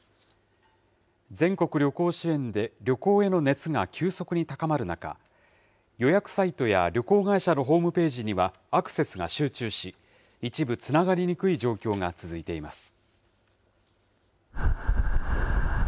全国旅行支援で旅行への熱が急速に高まる中、予約サイトや旅行会社のホームページには、アクセスが集中し、一部、つながりにくい状況が続いています。